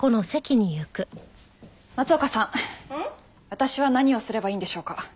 私は何をすればいいんでしょうか？